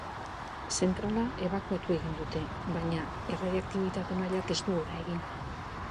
Zentrala ebakuatu egin dute, baina erradioaktibitate mailak ez du gora egin.